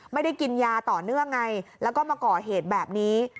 ไม่ได้กินยาต่อเนื่องไงแล้วก็มาก่อเหตุแบบนี้